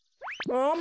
あむ。